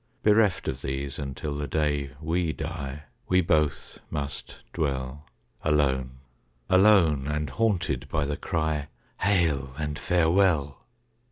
Bereft of these until the day we die, We both must dwell; Alone, alone, and haunted by the cry: "Hail and farewell!"